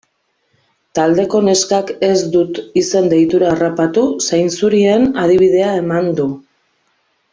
Taldeko neskak, ez dut izen-deitura harrapatu, zainzurien adibidea eman du.